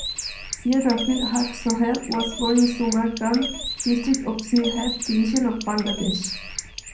Syed Rafiqul Haque Sohel was born in Sunamganj District of Sylhet Division of Bangladesh.